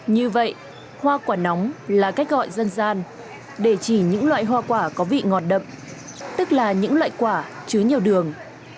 như vậy hoa quả nóng là cách gọi dân gian để chỉ những loại hoa quả có vị ngọt đậm tức là những loại quả chứa nhiều đường